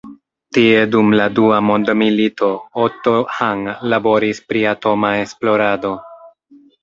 Tie dum la dua mondmilito, Otto Hahn laboris pri atoma esplorado.